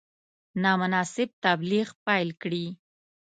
نامناسب تبلیغ پیل کړي.